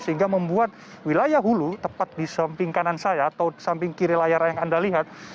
sehingga membuat wilayah hulu tepat di samping kanan saya atau samping kiri layar yang anda lihat